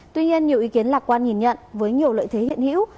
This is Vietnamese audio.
tuy nhiên nhiều ý kiến lạc quan nhìn nhận với nhiều lợi thế hiện hữu